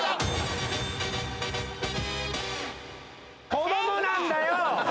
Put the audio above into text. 子供なんだよ！